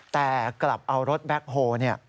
แต่กลับเอารถแบ็คโฮล